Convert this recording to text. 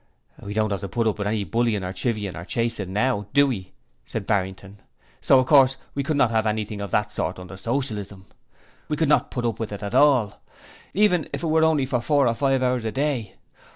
'We don't have to put up with any bullying or chivying or chasing now, do we?' said Barrington. 'So of course we could not have anything of that sort under Socialism. We could not put up with it at all! Even if it were only for four or five hours a day.